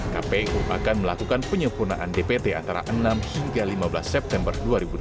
kpu akan melakukan penyempurnaan dpt antara enam hingga lima belas september dua ribu delapan belas